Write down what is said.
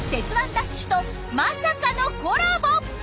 ＤＡＳＨ！！」とまさかのコラボ！